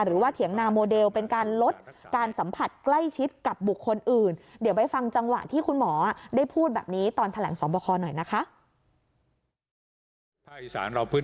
หรือว่าเถียงนาโมเดลเป็นการลดการสัมผัส